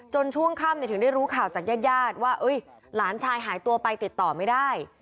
ช่วงค่ำถึงได้รู้ข่าวจากญาติญาติว่าหลานชายหายตัวไปติดต่อไม่ได้